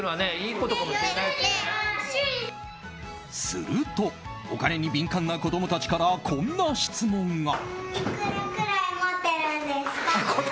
すると、お金に敏感な子供たちからこんな質問が。